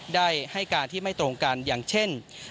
ได้ให้การที่ไม่ตรงกันอย่างเช่น